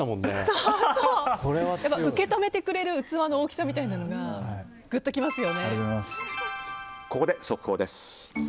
受け止めてくれる器の大きさみたいなのがここで速報です。